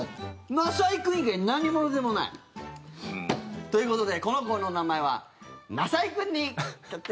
なさいくん以外何者でもない。ということでこの子の名前はなさいくんに決定！